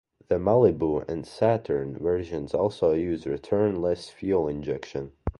The Malibu and Saturn versions also use return-less fuel injection.